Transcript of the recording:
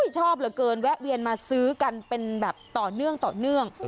ชอบเหลือเกินแวะเบียนมาซื้อกันเป็นแบบต่อเนื่อง